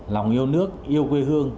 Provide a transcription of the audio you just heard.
lòng yêu nước yêu quê hương